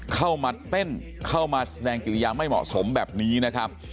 เข้ามาเต้นเข้ามาแสดงกิริยาไม่เหมาะสมแบบนี้นะครับ